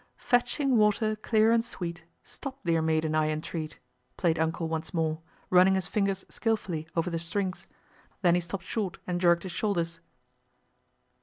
Fetching water clear and sweet, Stop, dear maiden, I entreat— played "Uncle" once more, running his fingers skillfully over the strings, and then he stopped short and jerked his shoulders.